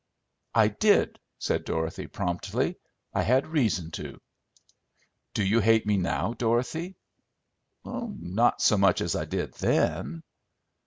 "I did," said Dorothy promptly. "I had reason to." "Do you hate me now, Dorothy?" "Not so much as I did then."